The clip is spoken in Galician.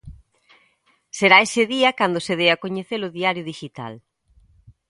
Será ese día cando se dea a coñecer o diario dixital.